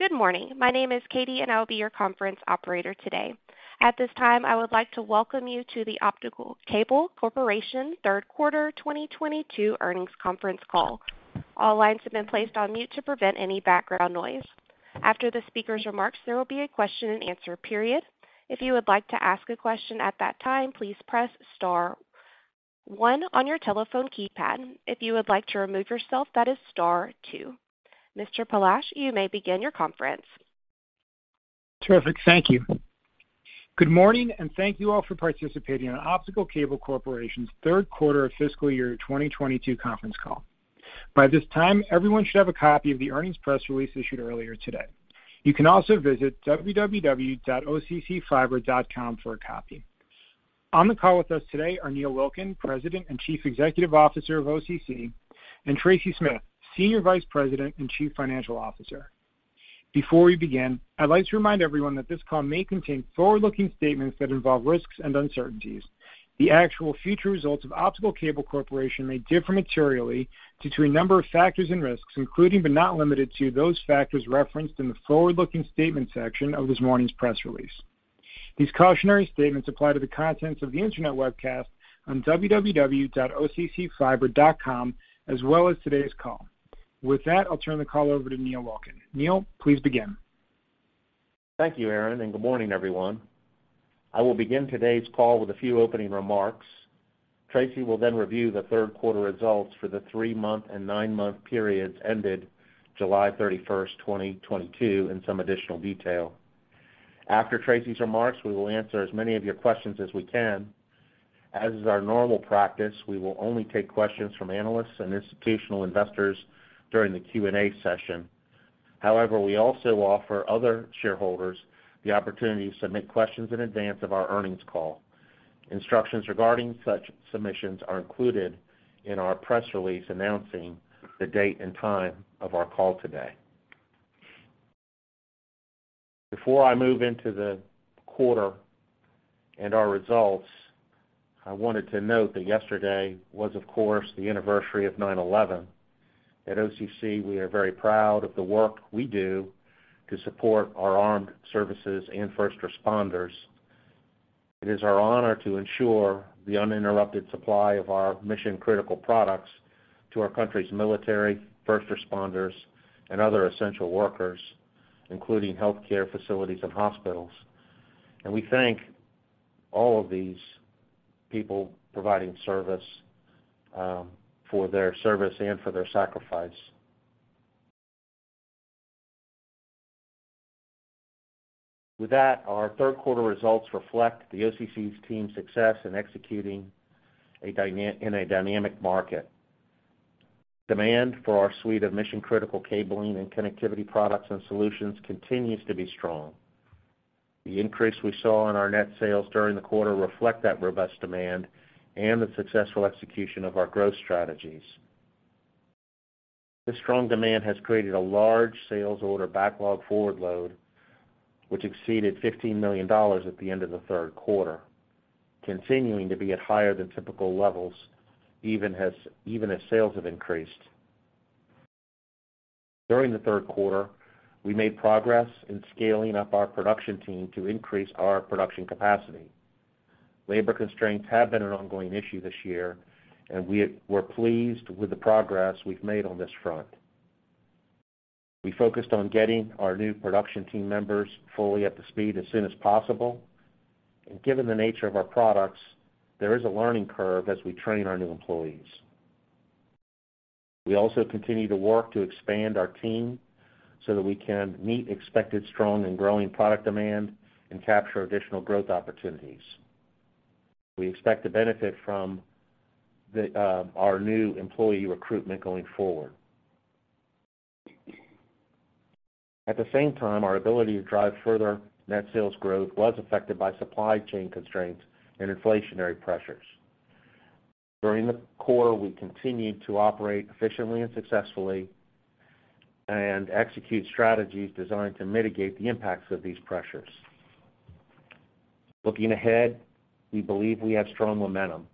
Good morning. My name is Katie, and I'll be your conference operator today. At this time, I would like to welcome you to the Optical Cable Corporation Third Quarter 2022 Earnings Conference Call. All lines have been placed on mute to prevent any background noise. After the speaker's remarks, there will be a question-and-answer period. If you would like to ask a question at that time, please press star one on your telephone keypad. If you would like to remove yourself, that is star two. Mr. Palash, you may begin your conference. Terrific. Thank you. Good morning, and thank you all for participating in Optical Cable Corporation's third quarter fiscal year 2022 conference call. By this time, everyone should have a copy of the earnings press release issued earlier today. You can also visit www.occfiber.com for a copy. On the call with us today are Neil Wilkin, President and Chief Executive Officer of OCC, and Tracy Smith, Senior Vice President and Chief Financial Officer. Before we begin, I'd like to remind everyone that this call may contain forward-looking statements that involve risks and uncertainties. The actual future results of Optical Cable Corporation may differ materially due to a number of factors and risks, including but not limited to those factors referenced in the forward-looking statement section of this morning's press release. These cautionary statements apply to the contents of the internet webcast on www.occfiber.com, as well as today's call. With that, I'll turn the call over to Neil Wilkin. Neil, please begin. Thank you, Aaron, and good morning, everyone. I will begin today's call with a few opening remarks. Tracy will then review the third quarter results for the three-month and nine-month periods ended July 31st, 2022 in some additional detail. After Tracy's remarks, we will answer as many of your questions as we can. As is our normal practice, we will only take questions from analysts and institutional investors during the Q&A session. However, we also offer other shareholders the opportunity to submit questions in advance of our earnings call. Instructions regarding such submissions are included in our press release announcing the date and time of our call today. Before I move into the quarter and our results, I wanted to note that yesterday was, of course, the anniversary of 9/11. At OCC, we are very proud of the work we do to support our armed services and first responders. It is our honor to ensure the uninterrupted supply of our mission-critical products to our country's military, first responders, and other essential workers, including healthcare facilities and hospitals. We thank all of these people providing service for their service and for their sacrifice. With that, our third quarter results reflect the OCC's team success in executing in a dynamic market. Demand for our suite of mission-critical cabling and connectivity products and solutions continues to be strong. The increase we saw in our net sales during the quarter reflect that robust demand and the successful execution of our growth strategies. This strong demand has created a large sales order backlog forward load, which exceeded $15 million at the end of the third quarter, continuing to be at higher than typical levels, even as sales have increased. During the third quarter, we made progress in scaling up our production team to increase our production capacity. Labor constraints have been an ongoing issue this year, and we're pleased with the progress we've made on this front. We focused on getting our new production team members fully up to speed as soon as possible. Given the nature of our products, there is a learning curve as we train our new employees. We also continue to work to expand our team so that we can meet expected strong and growing product demand and capture additional growth opportunities. We expect to benefit from our new employee recruitment going forward. At the same time, our ability to drive further net sales growth was affected by supply chain constraints and inflationary pressures. During the quarter, we continued to operate efficiently and successfully and execute strategies designed to mitigate the impacts of these pressures. Looking ahead, we believe we have strong momentum.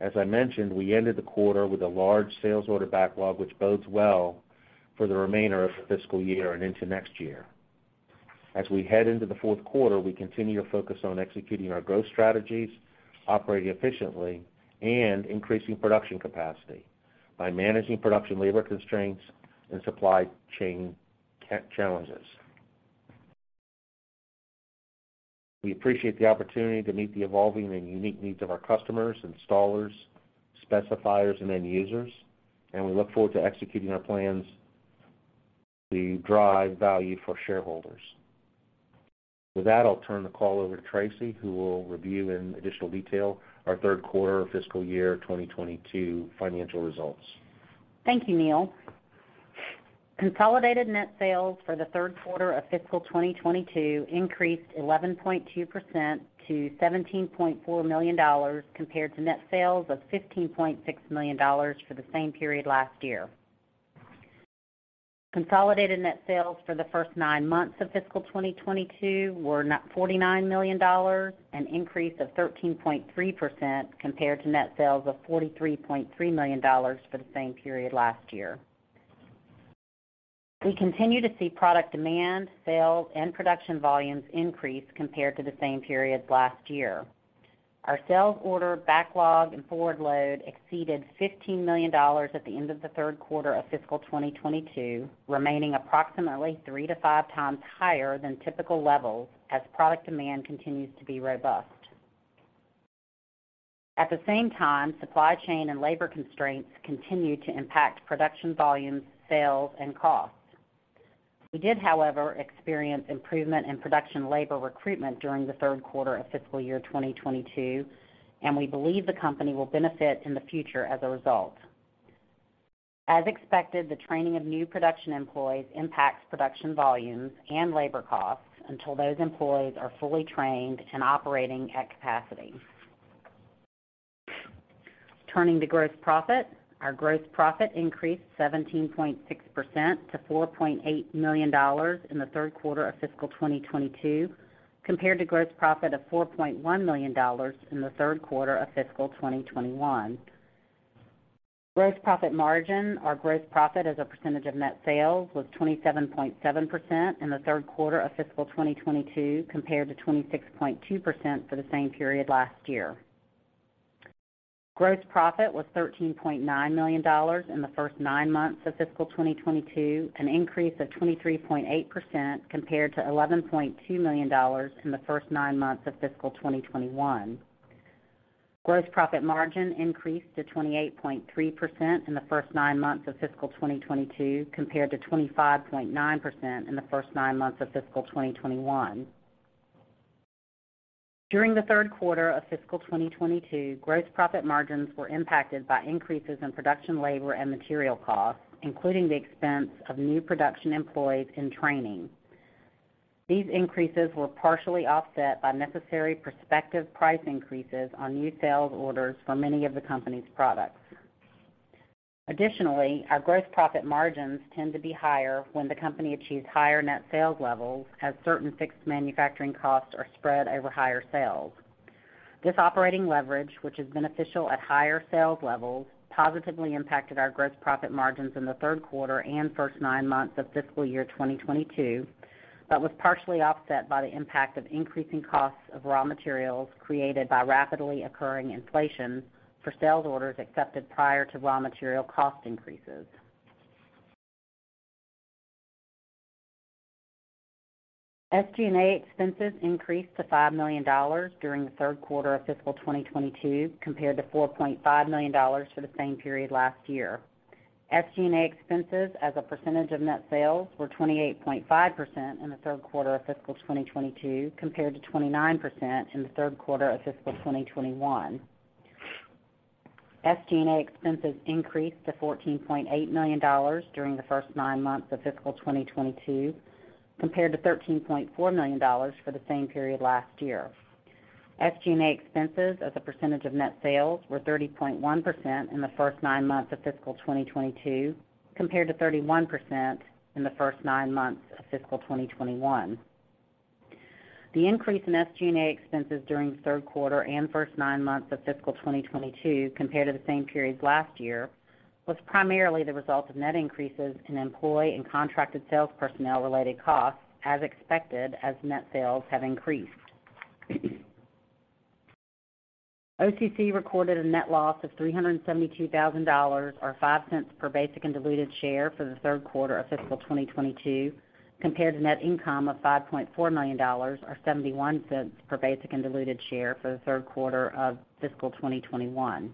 As I mentioned, we ended the quarter with a large sales order backlog, which bodes well for the remainder of the fiscal year and into next year. As we head into the fourth quarter, we continue to focus on executing our growth strategies, operating efficiently, and increasing production capacity by managing production labor constraints and supply chain challenges. We appreciate the opportunity to meet the evolving and unique needs of our customers, installers, specifiers, and end users, and we look forward to executing our plans to drive value for shareholders. With that, I'll turn the call over to Tracy, who will review in additional detail our third quarter fiscal year 2022 financial results. Thank you, Neil. Consolidated net sales for the third quarter of fiscal 2022 increased 11.2% to $17.4 million compared to net sales of $15.6 million for the same period last year. Consolidated net sales for the first nine months of fiscal 2022 were $49 million, an increase of 13.3% compared to net sales of $43.3 million for the same period last year. We continue to see product demand, sales and production volumes increase compared to the same period last year. Our sales order backlog and forward load exceeded $15 million at the end of the third quarter of fiscal 2022, remaining approximately 3x-5x higher than typical levels as product demand continues to be robust. At the same time, supply chain and labor constraints continue to impact production volumes, sales and costs. We did, however, experience improvement in production labor recruitment during the third quarter of fiscal year 2022, and we believe the company will benefit in the future as a result. As expected, the training of new production employees impacts production volumes and labor costs until those employees are fully trained and operating at capacity. Turning to gross profit. Our gross profit increased 17.6% to $4.8 million in the third quarter of fiscal 2022 compared to gross profit of $4.1 million in the third quarter of fiscal 2021. Gross profit margin or gross profit as a percentage of net sales was 27.7% in the third quarter of fiscal 2022 compared to 26.2% for the same period last year. Gross profit was $13.9 million in the first nine months of fiscal 2022, an increase of 23.8% compared to $11.2 million in the first nine months of fiscal 2021. Gross profit margin increased to 28.3% in the first nine months of fiscal 2022 compared to 25.9% in the first nine months of fiscal 2021. During the third quarter of fiscal 2022, gross profit margins were impacted by increases in production labor and material costs, including the expense of new production employees in training. These increases were partially offset by necessary prospective price increases on new sales orders for many of the company's products. Additionally, our gross profit margins tend to be higher when the company achieves higher net sales levels as certain fixed manufacturing costs are spread over higher sales. This operating leverage, which is beneficial at higher sales levels, positively impacted our gross profit margins in the third quarter and first nine months of fiscal year 2022, but was partially offset by the impact of increasing costs of raw materials created by rapidly occurring inflation for sales orders accepted prior to raw material cost increases. SG&A expenses increased to $5 million during the third quarter of fiscal 2022 compared to $4.5 million for the same period last year. SG&A expenses as a percentage of net sales were 28.5% in the third quarter of fiscal 2022 compared to 29% in the third quarter of fiscal 2021. SG&A expenses increased to $14.8 million during the first nine months of fiscal 2022 compared to $13.4 million for the same period last year. SG&A expenses as a percentage of net sales were 30.1% in the first nine months of fiscal 2022 compared to 31% in the first nine months of fiscal 2021. The increase in SG&A expenses during the third quarter and first nine months of fiscal 2022 compared to the same period last year was primarily the result of net increases in employee and contracted sales personnel related costs as expected as net sales have increased. OCC recorded a net loss of $372,000 or $0.05 per basic and diluted share for the third quarter of fiscal 2022 compared to net income of $5.4 million or $0.71 per basic and diluted share for the third quarter of fiscal 2021.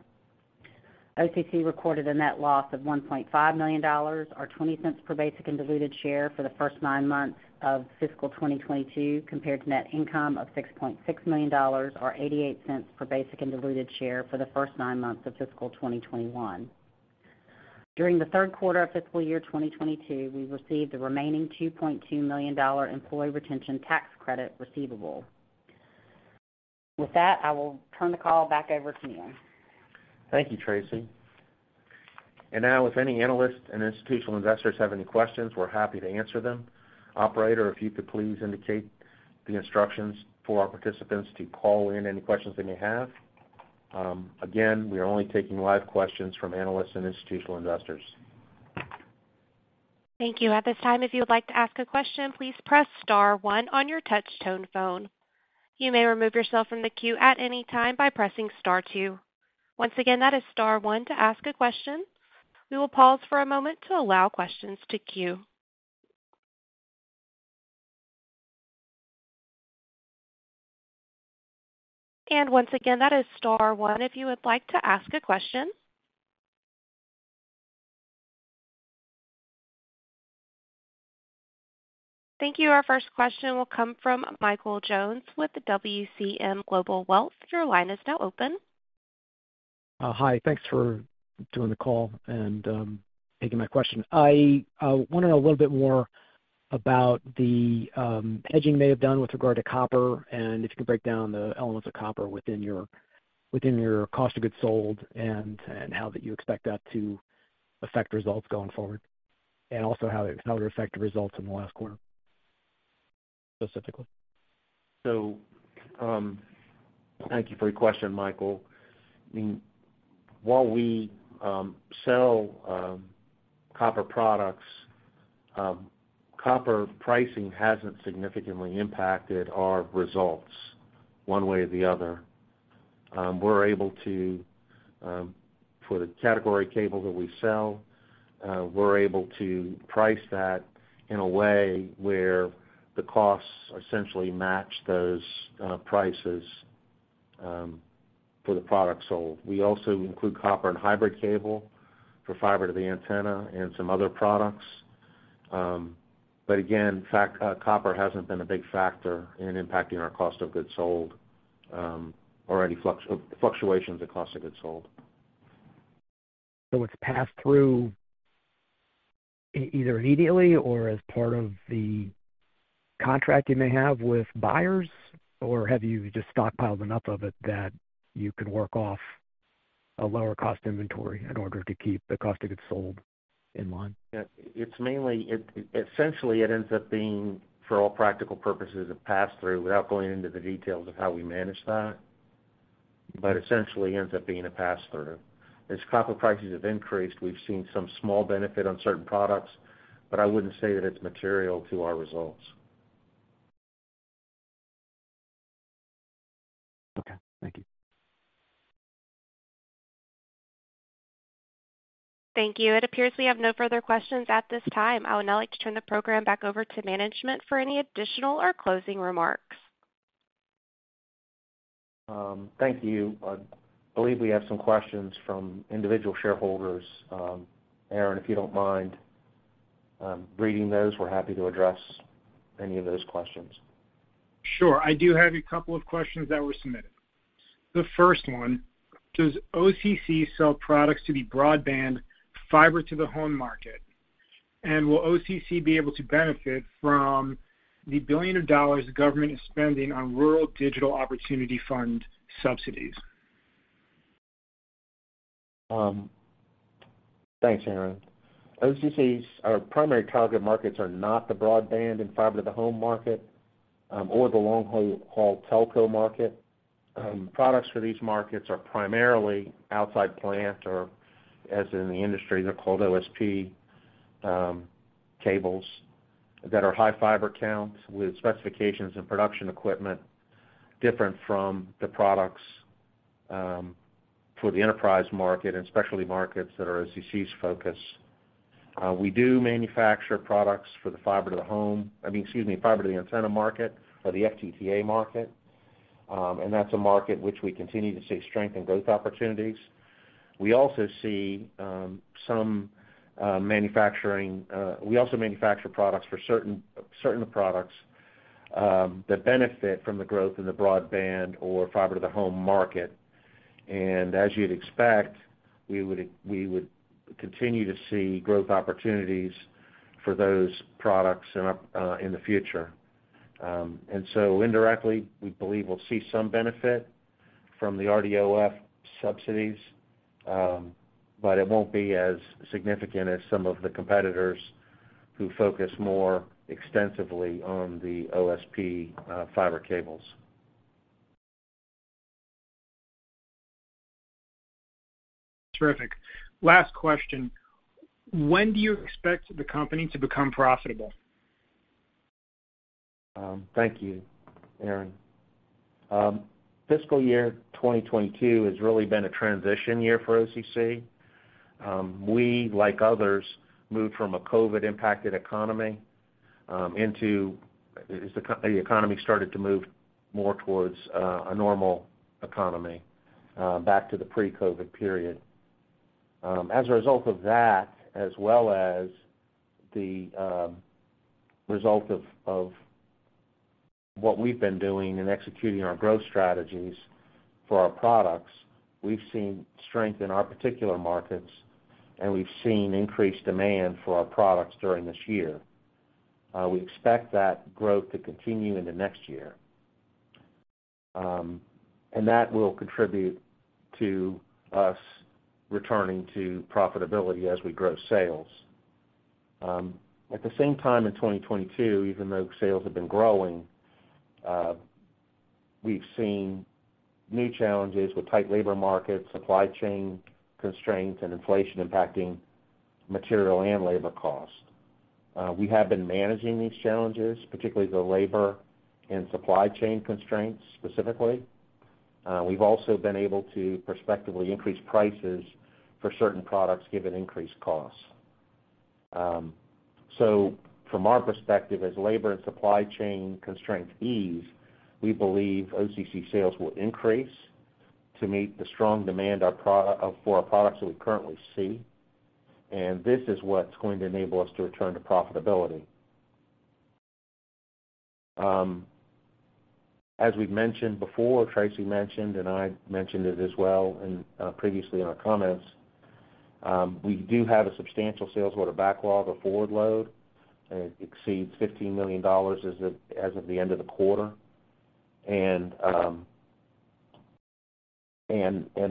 OCC recorded a net loss of $1.5 million or $0.20 per basic and diluted share for the first nine months of fiscal 2022 compared to net income of $6.6 million or $0.88 per basic and diluted share for the first nine months of fiscal 2021. During the third quarter of fiscal year 2022, we received the remaining $2.2 million Employee Retention Tax Credit receivable. With that, I will turn the call back over to Neil. Thank you, Tracy. Now if any analysts and institutional investors have any questions, we're happy to answer them. Operator, if you could please indicate the instructions for our participants to call in any questions they may have. Again, we are only taking live questions from analysts and institutional investors. Thank you. At this time, if you would like to ask a question, please press star one on your touch tone phone. You may remove yourself from the queue at any time by pressing star two. Once again, that is star one to ask a question. We will pause for a moment to allow questions to queue. Once again, that is star one if you would like to ask a question. Thank you. Our first question will come from Michael Jones with WCM Global Wealth. Your line is now open. Hi. Thanks for doing the call and taking my question. I want to know a little bit more about the hedging you may have done with regard to copper and if you could break down the elements of copper within your cost of goods sold and how that you expect that to affect results going forward, and also how it affected results in the last quarter. Specifically. Thank you for your question, Michael. I mean, while we sell copper products, copper pricing hasn't significantly impacted our results one way or the other. We're able to, for the category cable that we sell, we're able to price that in a way where the costs essentially match those prices for the product sold. We also include copper and hybrid cable for fiber to the antenna and some other products. Copper hasn't been a big factor in impacting our cost of goods sold or any fluctuations of cost of goods sold. It's passed through either immediately or as part of the contract you may have with buyers? Or have you just stockpiled enough of it that you can work off a lower cost inventory in order to keep the cost of goods sold in line? Yeah. It's mainly it essentially, it ends up being, for all practical purposes, a pass-through, without going into the details of how we manage that. Essentially ends up being a pass-through. As copper prices have increased, we've seen some small benefit on certain products, but I wouldn't say that it's material to our results. Okay. Thank you. Thank you. It appears we have no further questions at this time. I would now like to turn the program back over to management for any additional or closing remarks. Thank you. I believe we have some questions from individual shareholders. Aaron, if you don't mind, reading those, we're happy to address any of those questions. Sure. I do have a couple of questions that were submitted. The first one, does OCC sell products to the broadband fiber to the home market? Will OCC be able to benefit from the billions of dollars the government is spending on Rural Digital Opportunity Fund subsidies? Thanks, Aaron. OCC's primary target markets are not the broadband and fiber to the home market or the long-haul telco market. Products for these markets are primarily outside plant or, as in the industry, they're called OSP, cables that are high fiber counts with specifications and production equipment different from the products for the enterprise market and specialty markets that are OCC's focus. We do manufacture products for the fiber to the home—I mean, excuse me, fiber to the antenna market or the FTTA market. That's a market which we continue to see strength and growth opportunities. We also manufacture products for certain products that benefit from the growth in the broadband or fiber to the home market. As you'd expect, we would continue to see growth opportunities for those products in the future. Indirectly, we believe we'll see some benefit from the RDOF subsidies, but it won't be as significant as some of the competitors who focus more extensively on the OSP fiber cables. Terrific. Last question. When do you expect the company to become profitable? Thank you, Aaron. Fiscal year 2022 has really been a transition year for OCC. We, like others, moved from a COVID-impacted economy into the economy started to move more towards a normal economy back to the pre-COVID period. As a result of that, as well as the result of what we've been doing in executing our growth strategies for our products, we've seen strength in our particular markets, and we've seen increased demand for our products during this year. We expect that growth to continue into next year. That will contribute to us returning to profitability as we grow sales. At the same time in 2022, even though sales have been growing, we've seen new challenges with tight labor markets, supply chain constraints, and inflation impacting material and labor costs. We have been managing these challenges, particularly the labor and supply chain constraints specifically. We've also been able to prospectively increase prices for certain products given increased costs. From our perspective as labor and supply chain constraints ease, we believe OCC sales will increase to meet the strong demand for our products that we currently see. This is what's going to enable us to return to profitability. As we've mentioned before, Tracy mentioned, and I mentioned it as well previously in our comments, we do have a substantial sales order backlog or forward load, and it exceeds $15 million as of the end of the quarter.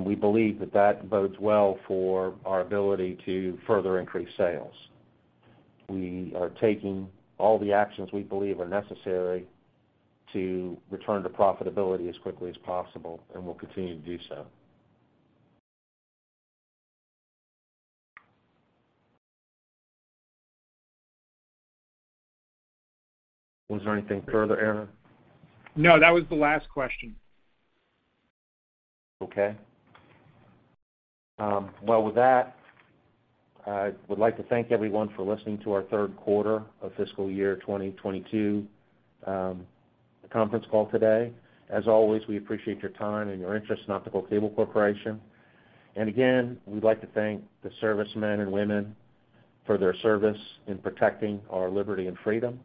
We believe that bodes well for our ability to further increase sales. We are taking all the actions we believe are necessary to return to profitability as quickly as possible, and we'll continue to do so. Was there anything further, Aaron? No, that was the last question. Okay. Well, with that, I would like to thank everyone for listening to our third quarter of fiscal year 2022 conference call today. As always, we appreciate your time and your interest in Optical Cable Corporation. Again, we'd like to thank the servicemen and women for their service in protecting our liberty and freedom,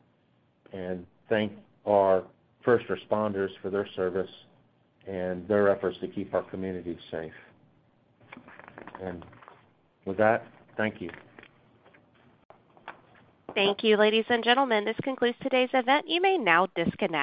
and thank our first responders for their service and their efforts to keep our communities safe. With that, thank you. Thank you, ladies and gentlemen. This concludes today's event. You may now disconnect.